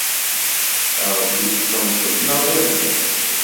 Ṛebbi d tameṭṭut neɣ d argaz?